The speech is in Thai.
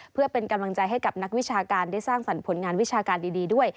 เพื่อเป็นกำลังใจให้กับนักวิชาการได้สร้างสรรค์ผลงานวิชาการดีด้วย